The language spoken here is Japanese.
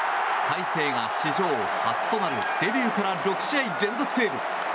大勢が史上初となるデビューから６試合連続セーブ。